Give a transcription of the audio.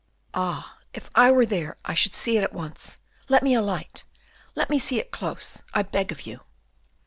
Ah! if I were there, I should see it at once. Let me alight, let me see it close, I beg of you."